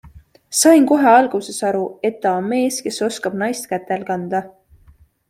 Sain kohe alguses aru, et ta on mees, kes oskab naist kätel kanda.